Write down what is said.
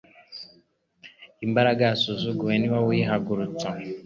Imbaga yasuzuguwe ni wowe uyiha gutsinda